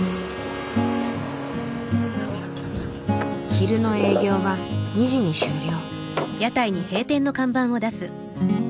昼の営業は２時に終了。